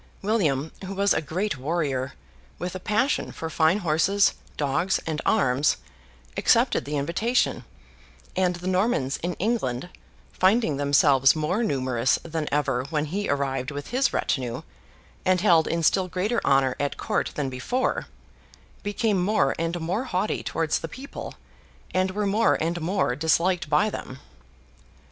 William, who was a great warrior, with a passion for fine horses, dogs, and arms, accepted the invitation; and the Normans in England, finding themselves more numerous than ever when he arrived with his retinue, and held in still greater honour at court than before, became more and more haughty towards the people, and were more and more disliked by them.